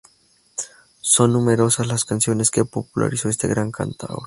Son numerosas las canciones que popularizó este gran cantaor.